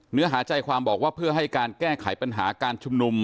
เนื้อหาใจความบอกว่าเพื่อให้การแก้ไขปัญหาการชุมนุม